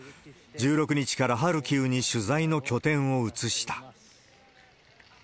１６日からハルキウに取材の拠点を移した。